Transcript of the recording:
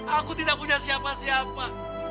aku tidak punya siapa siapa